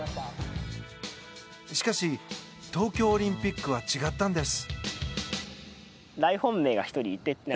しかし、東京オリンピックは違ったんです。